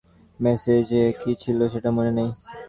মেসেজে কী ছিলো সেটা মনে নেই?